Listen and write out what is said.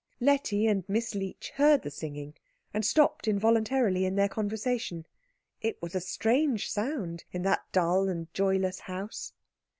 Letty and Miss Leech heard the singing, and stopped involuntarily in their conversation. It was a strange sound in that dull and joyless house.